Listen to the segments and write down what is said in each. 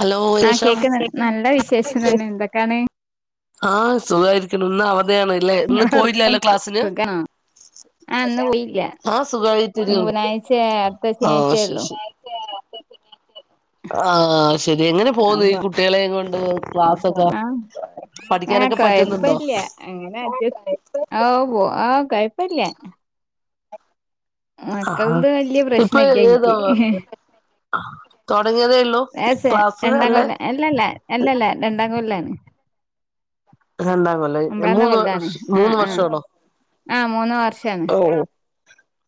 Hello [inaudible] ആ കേക്ക്ന്ന് നല്ല വിശേഷം തന്നെ എന്തൊക്കാണ് ആ സുഖായിരിക്കുന്നു ഇന്ന് അവധയാണ് ഇല്ലേ ഇന്ന് നിങ്ങളെ വർത്താനം പോയില്ലല്ലോ ക്ലാസ്സിന് സുഖാണോ ആ ഇന്ന് പോയില്ല ആ സുഖമായിട്ടരു ഇനി ബുധനാഴ്ച അടുത്ത ആ ശ ശനിയാഴ്ചയള്ളൂ ശരി ആ ശരി എങ്ങനെ പോുന്നു ഈ അപ്പൊ കുട്ടികളെയ കൊണ്ട് ക്ലാസ് ഒക്ക ആ ആ കൊഴപ്പല്ല അങ്ങനെ അഡസ്റ്റ് പോ ആ കഴപ്പില്ല ആഹാ മക്കളത് വല്യ ഇപ്പൊ പ്രശ്ന ഇല്ല ഏതോ എനിക്ക് തുടങ്ങിയതേ ഉള്ളൂ ക്ലാസ് രണ്ടാം അല്ലെ കൊല്ല അല്ലല്ല അല്ലല്ല രണ്ടാം കൊല്ലാണ് രണ്ടാം കൊല്ലേ ഒമ്പതാമത്തെ മൂന്ന് കൊല്ലാണ് ആ മൂന്ന് ആ വർഷോണോ ആ മൂന്നു വർഷന്ന്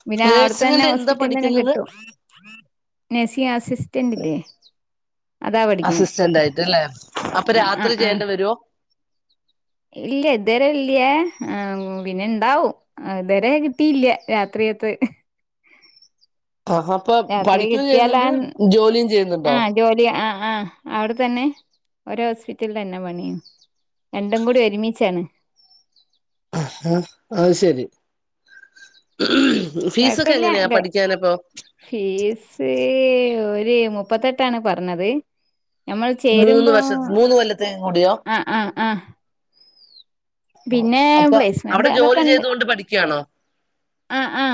പിന്നെ അവിടത്ത തന്നെ നേഴ്സിങ്ങിന്റെ എന്താ ഹോസ്പിറ്റല തന്നെ പഠിക്കുന്നത് കിട്ടും നഴ്സിംഗ് അസിസ്റ്റന്റിലേ അസിസ്റ്റന്റ് ആയിട്ടല്ലേ അപ്പൊ ആ ആ രാത്രി ആ ചെയ്യേണ്ട വരുവോ ഇല്ല ഇതുവരെ ഇല്ലയേ പിന്നെ ഇണ്ടാവും ഇതുവരെ കിട്ടീയില്ല രാത്രി ത്ത് [unintelligible] ആഹാ അപ്പൊ രാത്രി പഠിക്കുകയും ചെയ്യുന്നുണ്ട് കിട്ടിയാലൻ ജോലിയും ആ ചെയ്യുന്നുണ്ടോ ജോലി ആ ആ അവിടെ തന്നെ ഓരോ ഹോസ്പിറ്റലിൽ തന്നെ പണിയോ രണ്ടും കൂടി ഒരുമിച്ചാണ് ആ ഹ അത് ശരി ഫീസൊക്കെ കൊഴപ്പില്ല എങ്ങനെയാ പഠിക്കാനപ്പോ ഫീസ് ഒരു മുപ്പത്തെട്ടാണ് പറഞ്ഞത് നഞമ്മൾ മൂന്ന് ചേരുമ്പോ വർഷ മൂന്ന് കൊല്ലത്തേക്കും കൂടിയോ ആ ആ ആ പിന്നെ അപ്പൊ പ്ലേസ്മെന്റ് അവിടെ അതൊക്കെ ജോലി ഉണ്ട് ചെയ്തുകൊണ്ട് പഠിക്കുകയാണോ ആ ആ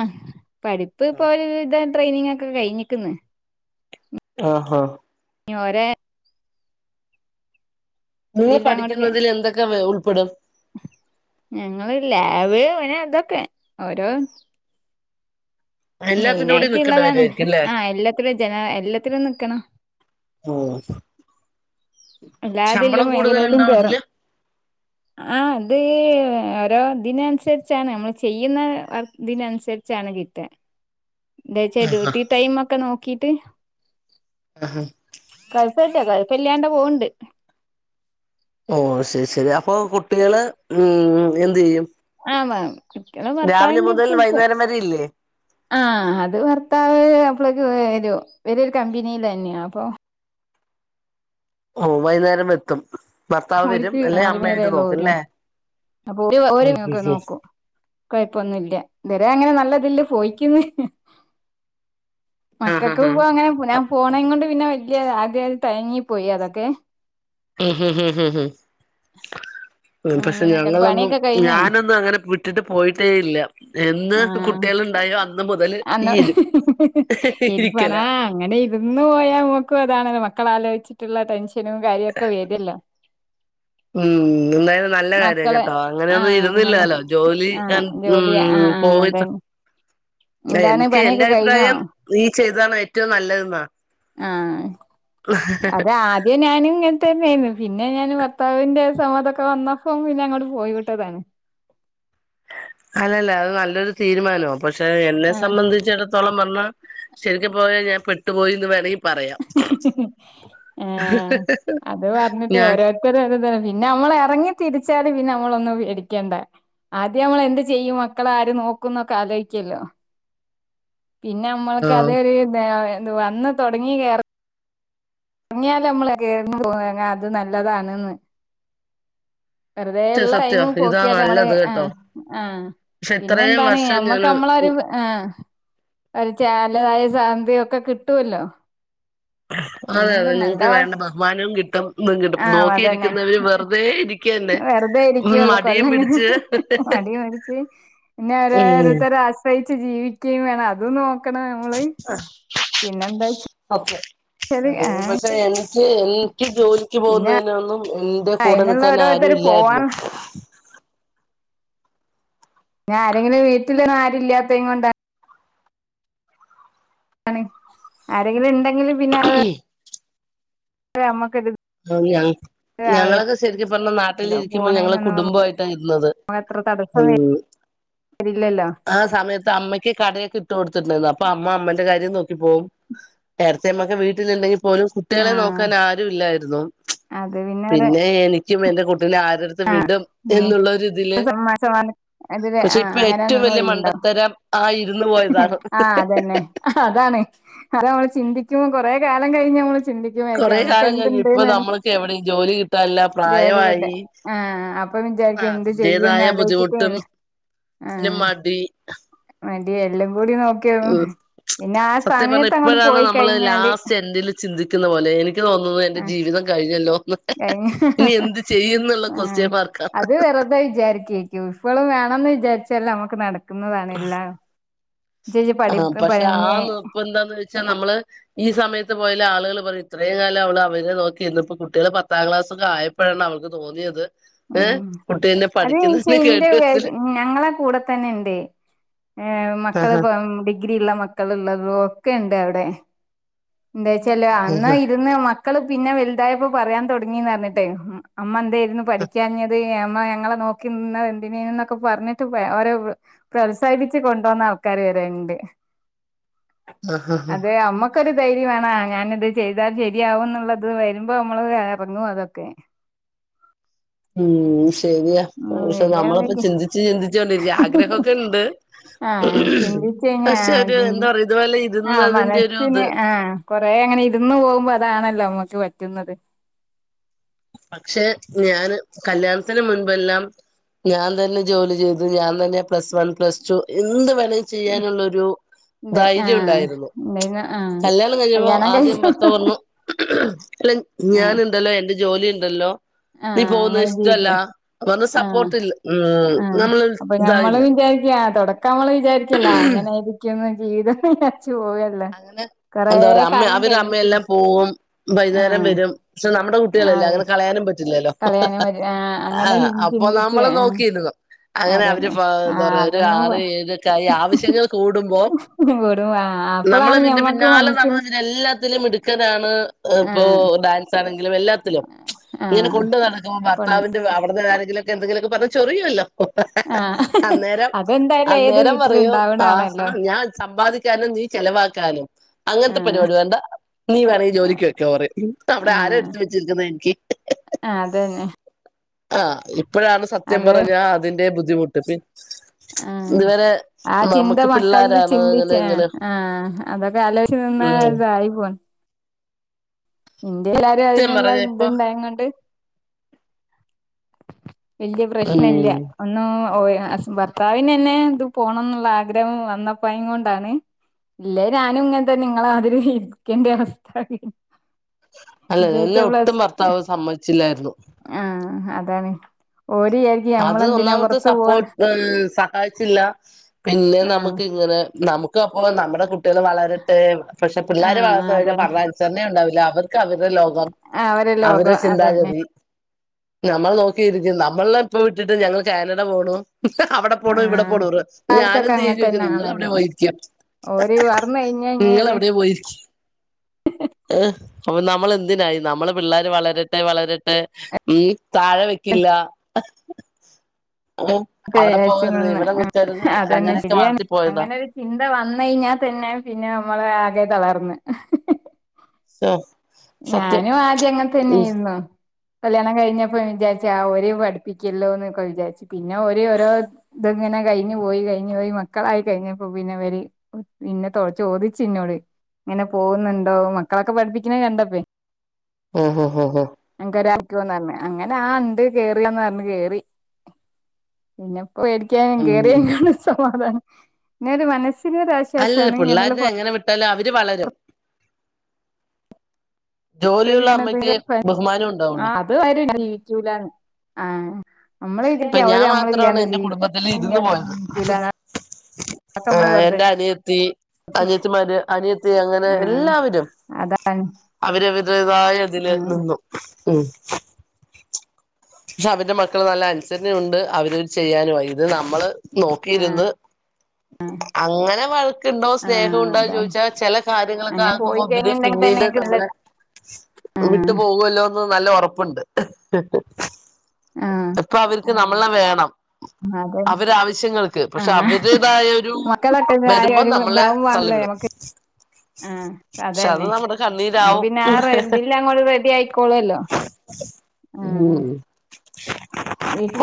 പഠിപ്പ് പോലധ ട്രെയിനിങ് ഒക്കെ കഴിഞ്ഞിക്കന്ന് ആ ആ ഒര നിങ്ങൾ പഠിക്കുന്നതിൽ എന്തൊക്കെ ഉൾപ്പെടും ഞങ്ങ ലാവ് അനെ അതൊക്കെ ഓരോ എല്ലാത്തിന്റെ മെയിന കൂടി നിക്കേണ്ടി ആയിട്ടള്ളതാണ് വരുമായിരിക്കും അല്ലേ ആ എല്ലാത്തിലും ജന എല്ലാത്തിലും നക്കണം ആ എല്ലാതിലും മേഖലയിലും കേറും ആ അത് ഓരോ ഇതിനനുസരിച്ചാണ് നമ്മൾ ചെയ്യുന്നർ ഇതിനനുസരിച്ചാണ് കി എന്താച്ചാ ഡ്യൂട്ടി ടൈമ ഒക്കെ നോക്കീട്ട് കുഴപ്പല്ലാ കുഴപ്പ ഇല്ലാണ്ട പോവണ്ട് ഓ ശരി ശരി അപ്പൊ കുട്ടികള് ഉം എന്ത് ചെയ്യും ആമാ ചിക്കന രാവിലെ ഭർത്താവിന്റെ മുതൽ അടുത്ത്ക്ക വൈകുന്നേരം വരെ ഇല്ലേ ആ അത് ഭർത്താവ് അപ്പ ൾക്ക് വരും ഇവർ ഒരു കമ്പനിൽ തന്നെയാ അപ്പൊ ഓ വൈകുന്നേരം എത്തും ഭർത്താവ് വരും ഓര്ക്ക് അല്ലെ നാല് അമ്മ മണി വര് വരെയൊള്ളൂ ഓരു നോക്കുംല്ലേ ഓര് ഒക്കെ നോക്കും കുഴപ്പൊന്നും ഇല്ല ത്വരെ അങ്ങനെ നല്ലതില് പോയിക്ക്ന്നു ആഹ് ആഹ് മക്കൊക്കെ ആഹ് ഇപ്പ അങ്ങനെ ഞാൻ അപ് പോണെ കൊണ്ട് പിന്നെ വല്ല്യ ആദ്യ തയങ്ങി പോയി അതൊക്കെ ഉം ഉം ഉം ഉം ഉം ഉം പക്ഷെ ഞാൻ അങ്ങനെയൊക്കെ ഞങ്ങളൊന്നും പണിയൊക്കെ കഴിഞ്ഞോ ഞാനൊന്നും അങ്ങനെ വിട്ടിട്ട് പോയിട്ടേ ഇല്ല എന്ന് ആ കുട്ടികള് ഉണ്ടായോ അന്ന് മുതല് ഈ അന്ന് ഇരു ഇരിക്കല ഇരിപ്പണാ ആ അങ്ങനെ ഇരുന്ന് പോയാ മ്മക്കു അതാണല്ലോ മക്കള ആലോയ്ച്ചി ട്ടുള്ള ടെൻഷനും കാര്യ ഒക്കെ വെരല്ലോ ഉം എന്തായാലും നല്ല കാര്യം കേട്ടോ. ആ അങ്ങനെയൊന്നും നല്ല ഇരുന്നില്ലാലോ ജോലി ആ ഉം ഉം ജോലി ആ ആ പോവി അതന്നെ [unintelligible] എന്താണ് എനിക്ക് എന്റെ പണിയൊക്കെ കഴിഞ്ഞോ അഭിപ്രായം നീ ചെയ്താണ് ഏറ്റവും നല്ലത് ന്നാ ആ അത് ആദ്യം ഞാനും ഇങ്ങന് ത്തന്നെ നു പിന്നെ ഞാൻ ഭർത്താവിന്റെ സമ്മതൊക്കെ വന്നപ്പോ പിന്നെ അങ്ങോട്ട് പോയി വിട്ടതാണ് അല്ലല്ല അത് നല്ലൊരു തീരുമാനമാണ്. പക്ഷെ എന്നെ സംബന്ധിച്ചിടത്തോളം പറഞ്ഞാ ശരിക്കും പോയാ ഞാൻ പെട്ടുപോയിന്ന് വേണമെങ്കി പറയാം ഏ അത് പറഞ്ഞിട്ടേ ഞാൻ ഓരോരുത്തര് ത് പിന്നെ നമ്മൾ ഇറങ്ങി തിരിച്ചാൽ പിന്ന നമ്മളൊന്നും പേടിക്കേണ്ട ആദ്യം നമ്മൾ എന്ത് ചെയ്യും മക്കളെ ആര് നോക്കും എന്നൊക്കെ ആലോയിക്കല്ലോ പിന്നെ നമ്മൾക്ക് ആഹ് അതൊരു ദ് വന്ന് തുടങ്ങി കേറ തുങ്ങിയാല് നമ്മള് [inaudible] അത് നല്ലതാണ്ന്ന് വെറുതെ സത്യം ഉള്ള ടൈം സത്യം ഇതാ പോക്കിയാല് നമ്മള് നല്ലത് ആ കേട്ടോ ആ പക്ഷെ പിന്നെ ഇത്രയും എന്താണ് വർഷം ഞാന് മ്മക്ക് മ്മളൊ ഒരു ആ ഒരു ചാലുവായ് സ് ശാന്തി ഒക്കെ കിട്ടുവല്ലോ അതെ അതെ പിന്നെന്താ നല്ല നിങ്ങക്ക് വേണ്ട ബഹുമാനവും കിട്ടും ആഹ് അതന്നെ നോക്കിയിരിക്കുന്നവര് വെറുതെ ഇരിക്കാ വെറുതെ ഇരിക്കൊള്ളു കൊല്ലങ്ങൾ മടി പിടിച്ച് പിന്നെ ഉം ഓരോരുത്തര് ആ ശ്രയിച്ച് ജീവിക്കും വേണം അതും നോക്കണം നമ്മള് പിന്നെന്താച്ച ആ പക്ഷെ എനിക്ക് ഈ എനിക്ക് ജോലിക്ക് പിന്നെ പോകുന്നതിനൊന്നും ന്റെ കൂടെ അതിനുള്ള നിക്കാൻ ഓരോരുത്തർ ആരും ഇല്ലായിരുന്നു ഞാൻ ആരെങ്കിലും വീട്ടില്ന്നും ആരുംല്ലാത്തെ കൊണ്ടാ ണ് ആരെങ്കിലും ഉണ്ടെങ്കിലും പിന്നെ അത് നമ്മ [unintelligible] ഞങ്ങളൊക്കെ ശരിക്കും പറഞ്ഞ നാട്ടിൽ ഇരിക്കുമ്പോ ഞങ്ങളെ കുടുംബമായിട്ടാണ് ഇരുന്നത് തടസ്സ ഉം വ ആ സമയത്ത് അമ്മയ്ക്ക് കടയൊക്കെ ഇട്ട് കൊടുത്തിട്ടായിരുന്നു അപ്പൊ അമ്മ അമ്മന്റെ കാര്യം നോ ക്കിപോവും. ഏടത്തിയമ്മക്കെ വീട്ടിലുണ്ടെങ്കിൽ പോലും ആ കുട്ടികളെ നോക്കാൻ ആരും ഇല്ലായിരുന്നു. അത് ഒരു പിന്നെ എനിക്കും എന്റെ തിനെ ആരടുത്ത് വിടും ഉം, എന്നുള്ളൊരുതില് സമ്മാ- സമ്മാന അതില് പക്ഷെ ആ ഇപ്പൊ ഏറ്റവും വലിയ മണ്ട ത്തരം ആയി ആ അതന്നെ അതാണ് അത് മ്മള് ചിന്തിക്കുമ്പോ കൊറെ കാലം കഴിഞ്ഞ് മ്മള് ചി കൊറെ കാല കഴിഞ്ഞ് ഇപ്പൊ നമ്മൾക്ക് എവിടെയും ജോലി കിട്ടാനില്ല ജോലി കിട്ടാ പ്രായമായി ആഹ് അപ്പൊ ആ വിചാരിക്കും എന്ത് ചെയ്യുംന്ന് അതിന്റേതായ ബുദ്ധിമുട്ടും ആലോചിച്ചിട്ട് ഒരു മടി മടിഎല്ലും കൂടി നോക്കിയ ഉം സത്യം പറഞ്ഞ ഇപ്പോഴാണ് നമ്മള് കഴിഞ്ഞാല് ലാസ്റ്റ് എൻഡില് ചിന്തിക്കുന്ന പോലെ എനിക്ക് തോന്നുന്നു എന്റെ ആഹ് ജീവിതം കഴിഞ്ഞല്ലോ കഴിഞ്ഞ് ഇനി എന്ത് ചെയ്യുംന്നുള്ള ക്വസ്റ്റ്യൻ മാർക്കാ [unintelligible] ഫൾും വേണംന്ന് വിചാരിച്ചാല്ല് നമുക്ക് നടക്കുന്നതണല്ലാം ആ പക്ഷെ ആ നിപ്പ് എന്താന്ന് വെച്ചാ നമ്മള് ഈ സമയത്ത് പോയല് ആളുകൾ പറയും ഇത്രയു കാലം അവള് അവരെ നോക്കിയിരിന്ന്പ്പ കുട്ടികള് പത്താം ക്ലാസ്സ് ഒക്കെ ആയപ്പോഴാണ് അവൾക്ക് തോന്നിയത് ഏ ഉം കുട്ടിന്നെ അത് പക്ഷെ പഠിക്കുന്നെ ഇന്റെ കേട്ടു ത്തില് ഏ മക്കള് പ്പം ഡിഗ്രിള്ള മക്കള് ള്ളതും ഒക്കെ ഉണ്ട് അവിടെ എന്താ വെച്ചാല് അന്ന് ആഹ് ഇരുന്ന് മ മക്കള് പിന്നെ വല്തായപ്പോ പറയാൻ തുടങ്ങിന്ന് പറഞ്ഞിട്ട് അമ്മ എന്തായിരുന്നു പഠി ചാങ്ങത് അമ്മ ഞങ്ങളെ നോക്കി നിന്നതെന്തിനെയ്നി ഒക്കെ പറഞ്ഞിട്ട് ഓരോ പ്രോത്സാഹിപ്പിച്ച് കൊണ്ടോന്ന ആൾക്കാര് വരെ ഇണ്ട് ആഹ ഹഹ ഹഹ ക്കൊ ഒരു ധൈര്യവോണ ഞാന് ഇത് ചെയ്താൽ ശരിയാവും എന്നുള്ളത് വരുമ്പോ നമ്മള് ഇറങ്ങു അതൊക്കെ ഉം ഉം ശരിയാക്ഷെ നമ്മളിപ്പോ വല്യ ചിന്തിച്ച് ചിന്തിച്ചോണ്ടിരിക്ക ആഗ്രഹക്കെ ഇണ്ട് ആഹ ചിന്തിച്ചയ്ഞ്ഞാ എന്താ പറയാ ഇതുപോലെ ആ ഇരുന്നതിന്റെ ഒരു ഇത് മനസ്സിന് ആഹ കൊറെ അങ്ങനെ ഇരുന്ന് പോകുമ്പോ അതാണല്ലോ നമ്മക്ക് പറ്റുന്നത് പക്ഷെ ഞാന് കല്യാണത്തിന് മുൻപെല്ലാം ഞാൻ തന്നെ ജോലി ചെയ്തു ഞാൻ തന്നെ പ്ലസ് വൺ പ്ലസ് ടു എന്ത് വേണ ചെയ്യാനുള്ളൊരു ഇണ്ട് ധൈര്യം ആഹ് ഉണ്ടായിരുന്നു ഇണ്ടായിന്ന് ആഹ് കല്യാണം കഴിഞ്ഞപ്പോ കല്യാണം ആദ്യം കഴിച്ചു ഭർത്താവ് പറഞ്ഞു അല്ല ആഹ് ഞാൻണ്ടല്ലോ എന്റെ ജോലി ഉണ്ടല്ലോ നീ ആഹ് പോവുന്ന അങ്ങനെ ജീവിക്ക ഇഷ്ടല്ല ന്നർഞ്ഞ് ആഹ് സപ്പോർട്ട് ഇല്ല ഉ നമ്മൾ ഇതാവില്ല ശരിയാ തുടക്കം നമ്മള് വിചാരിക്കല്ലോ അങ്ങനൊയിരിക്കുംന്ന് ജീവിതത്തി അങ്ങനെ എന്താ പറയാ അമ്മ കാലം അവര് കഴിഞ്ഞിട്ട് അമ്മയെല്ലാം പോവും വൈനേരം ആഹ് വരും നമ്മുടെ കുട്ടികളല്ലേ ആഹ് അങ്ങനെ കളയാനും പറ്റില്ലല്ലോ കളയാനും പറ്റ ആഹ് അങ്ങനെ ആഹ അപ്പൊ ചിന്തിച്ച് നമ്മള് ആഹ് നോക്കിയിരുന്നു അങ്ങനെ അവര് അതന്നെ എന്താ ആഹ് പറയാ ഒരു അതൊന്നും ആറ് പ- ഏഴൊക്കൊ ആയി ആവശ്യങ്ങൾ കൂടുമ്പോ കൂടും ആഹ് നമ്മള അപ്പളാണ് അതിന്റെ ഞമ്മക്ക് പിന്നാലെ നടന്നാ മനസ്സിന് അതിനെ എല്ലാത്തിലും മിടുക്കാനാണ് ഇപ്പൊ ആഹ് ഡാൻസ് ആ എല്ലാത്തിലും ഇങ്ങനെ ആഹ് കൊണ്ട് നടക്കുമ്പോ കൊൺ ഭർത്താവിന്റെ അവിടുന്ന് ആരെങ്കിലും ഒക്കെ എന്തെങ്കിലൊക്കെ പറഞ്ഞ് ചൊറിയുല്ലോ ആഹ് [unintelligible] അന്നേരം അതെന്തായാലും ഏത് അന്നേരം വീട്ടിലും പറയോ ആ ഉണ്ടാവണാണല്ലോ ഞാൻ സമ്പാദിക്കാനും നീ ചെലവാക്കാനും അങ്ങനത്തെ ആഹ് പരിപാടി വേണ്ട നീ വേണങ്കി ആഹ് ജോലിക്ക്‌പൊയ്ക്കൊ പറയും അവിടെ ആരാ എടുത്ത് വെച്ചിരിക്കുന്ന എനിക്ക് ആ അതന്നെ ആ ഇപ്പോഴാണ് സത്യം അത് പറഞ്ഞ അതിന്റെ ബുദ്ധിമുട്ട് പി ആഹ് ഇതുവരെ ആ ചിന്ത നമുക്ക് പിള്ളേരാണ് അങ്ങനെ ഇങ്ങനെ ആ അതൊക്കെ ആലോച് നിന്ന ഉം ഇതായി പോ ഇന്ത്യയിൽ ആ ഒരു സത്യം അതിനുള്ള പറഞ്ഞ ഇപ്പൊ ഇതുണ്ടായ കൊണ്ട് വലിയ പ്രശ്ന ഇല്ല ഉം ഒന്നും ഓ ഭർത്താവിന് എന്നെ ഇത് പോണം എന്നുള്ള ആഗ്രഹം വന്നപ്പോയെ കൊണ്ടാണ് ഇല്ല ഞാനും ഇങ്ങന തന്നെ നിങ്ങള ആതിരി ഇരിക്കേണ്ട അവസ്ഥ ആ അല്ല ജയിച്ചെ എന്നെ എ പ്ല ഒട്ടും സ് ഭർത്താവ് സമ്മതിച്ചില്ലായിരുന്നു ആഹ അ അതാണ് അത് ഒന്നാമത്തെ പുറത്ത് പോണ് സപ്പോർട്ട് സഹായിച്ചില്ല പിന്നെ ആഹ് നമുക്ക് ഇങ്ങനെ നമുക്ക് അപ്പോ നമ്മുടെ കുട്ടി കുട്ടികൾ വളരട്ടേന്ന് പക്ഷെ പിള്ളേര് ആഹ് വളർന്ന് കഴിഞ്ഞാ അതന്നെ അനുസരണേ ഉണ്ടാവില്ല അവർക്ക് അവ അവരുടെ ലോകം അവരെ ലോകം അതന്നെ ചിന്താഗതി ഞമ്മൾ നോക്കിയിരിക്കും നമ്മള ഇപ്പ വിട്ടിട്ട് ഞങ്ങള് കാനഡ പോണു അവിടെ പോണു ഇവിടെ ആഹ് പോണു കാലത്തൊക്കെ ഞാനെന്തെയ്യും അങ്ങനെ ചോദിച്ചാ തന്നെ നിങ്ങ അവിടെ ആണല്ലോ പേയിരിക്ക് ഓര് വർന്ന കഴിഞ്ഞ ഇഞ്ഞാല് എഹ് അപ്പൊ നമ്മളെന്തിനായി നമ്മളെ പിള്ളേര് വളരട്ടെ വളരട്ടെ ഉ താഴെ വെക്കില്ല ഏഹ് തെ അവിടെ അച്ചൻ പോകരുത് വന്ന് ഇവിടെ നിക്കരുത് അതന്നെ അങ്ങനെയൊക്കെ ശരിയാണ് വളർത്തിപ്പോയതാ അങ്ങനെ ഒരു ചിന്ത വന്ന് കഴിഞ്ഞാൽ തന്നെ പിന്നെ നമ്മളെ ആകെ തളർന്ന് ശൊ [unintelligible] ഞാനും ആദ്യം അങ്ങനെ തന്നെ ആയിരുന്നു കല്യാണം കഴിഞ്ഞപ്പ വിചാരിച്ച ഒരേ പഠിപ്പിക്കല്ലോന്നൊക്കെ വിചാരിച്ചു പിന്നെ ഒരേ ഓരോ ഇതങ്ങനെ കഴിഞ്ഞ് പോയി കഴിഞ്ഞ് പോയി മക്കളായി കഴിഞ്ഞപ്പോ പിന്നെവര് പിന്നെ തോ ചോദിച്ചുന്നോട് ഇങ്ങനെ പോകുന്നുണ്ടോ മക്കളൊക്കെ പഠിപ്പിക്കുന്നെ കണ്ട ഹു ഹു ഹു ഹു ന്ന് പറഞ്ഞ് അങ്ങനെ ആ ഉണ്ട് കേറിയന്ന് പറഞ്ഞ് കേറി പിന്നെ മേടിക്കാനും ഉം കേയറിയാണ് സമാധാനം ഇന്നരു മനസ് അല്ലല്ല പിള്ളോരിനെ എങ്ങനെ വിട്ടാലും അവര് വളരും പുറത്തേക്ക് ജോലിയുള്ള അമ്മയ്ക്ക് ഇങ്ങനെ ബഹുമാനം ഉണ്ടാവുള്ളു അത് ആരും ജൂല ആ നമ്മള് ഇപ്പൊ വിചാരിക്കും അവര് ഞാൻ മാത്രമാണ് നമ്മളില്ലാണ്ട് എന്റെ കുടുംബത്തില് ഇരുന്ന് പോയത് ജീവിക്കൂലാന്ന് അതൊക്കെ ആ നമ്മള് വെറുതെ എന്റെ അനിയത്തി അനിയത്തിമാര് അനിയത്തി അങ്ങനെ ആഹ് എല്ലാവരും അതാണ് അവര് വര് -പൊതുവായ - അതില് ആഹ് നിന്നു ഉം പക്ഷെ അവരുടെ മക്കള് നല്ല അനുസരണണ്ട് അവര് ചെയ്യാനുംആയി ഇത് നമ്മള് നോക്കിയിരുന്ന് അങ്ങനെ വഴക്കുണ്ടോ സ്നേഹം ആഹ് ഉണ്ടോന്ന് അതാണ് ചോദിച്ചാൽ ചില കാര്യങ്ങളൊക്കെ അങ്ങനെ പോയി ആക്കുമ്പോ ഇവര് കഴിഞ്ഞിണ്ടെങ്കി തന്നെ പിന്നീട് ഇങ്ങക്ക് നല്ല നമ്മളെ ആഹ് വിട്ട് പോകല്ലോന്ന് നല്ല ഉറപ്പുണ്ട് ആ ഇപ്പൊ അവർക്ക് നമ്മളെ വേണം അവരാ വശ്യങ്ങൾക്ക് പക്ഷെ ആഹ് അവരുേതായ ഒരു മക്കളൊക്കെ വരുമ്പം നമ്മളെ വിടും ആ അതന്നെ അപ്പൊ കണ്ണീരാവും പിന്നെ ആ റെഡിൽ അങ്ങോട്ട് റെഡി ആയിക്കോളൂല്ലോ ഉം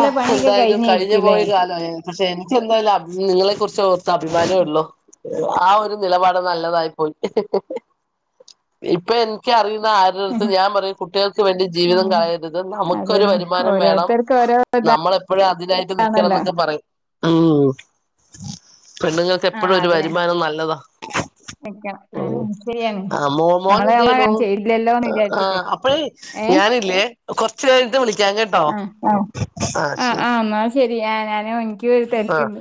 ആ പണിയൊക്കെ എന്തായാലും കഴിഞ്ഞിരിക്കൂല്ലേ കഴിഞ്ഞുപോയ കാലം പക്ഷെ എനിക്ക് എന്തായാലും അ നിങ്ങളെ ക്കു റിച്ച് ഓർത്ത് അഭിമാനേ ഉള്ളു ആ ഒരു നിലപാട് നല്ലതായി പോയി ഇപ്പൊ എനിക്കറിയു ന്ന ആരോടുടെ എടുത്തു ഞാൻ പറയും കുട്ടികൾക്ക് വേണ്ടി ഉം ജീവിതം കളയരുത് നമുക്കൊരു അതന്നെ വരു വരു മാനം വേണം ഓരോരുത്തർക്ക് ഓരോ നമ്മൾ എപ്പോഴും അതിനായിട്ട് നിക്കണം ഇതാണല്ലോ എന്നൊക്കെ പറയും ഉം പെണ്ണുങ്ങൾക്ക് ആ എപ്പോഴും ഒരു അതിനെ വരുമാനം നല്ലതാ നിക്കണം ആ ഉം ശരിയാണ് ആ മോമോൻ നമ്മള് എന്ത് നമ്മളെ ചെയ്യണു ചെയ്തില്ലല്ലോന്ന് ആ വിചാരിച്ചിട്ട് അപ്പഴേ ഏ ഞാനില്ലേ കൊറച്ച് കഴിഞ്ഞിട്ട് വിളിക്കാം കേട്ടോ ആ ശരി ശെരിയ ഞാ ഞാനും ൻ എനിക്ക് ഒരു ആഹ് തിരക്കുണ്ട്